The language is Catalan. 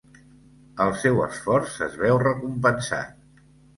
El seu esforç es veu recompensat.